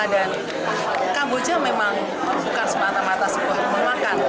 dan kamboja memang bukan semata mata sebuah pemakan